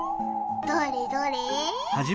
どれどれ？